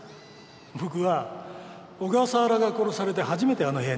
僕は小笠原が殺されて初めてあの部屋に行ったんですよ